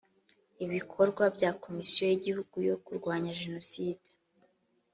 i bikorwa bya komisiyo y igihugu yo kurwanya jenoside